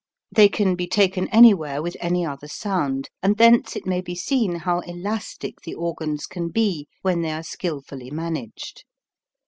They can be taken anywhere with THE GREAT SCALE 247 any other sound; and thence it may be seen how elastic the organs can be when they are skilfully managed.